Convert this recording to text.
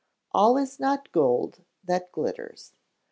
[ALL IS NOT GOLD THAT GLITTERS.